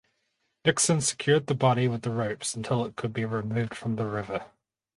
Nickson secured the body with ropes until it could be removed from the river.